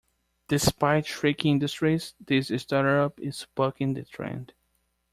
Despite shrinking industries, this startup is bucking the trend.